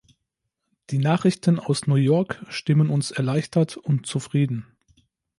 Die Nachrichten aus New York stimmen uns erleichtert und zufrieden.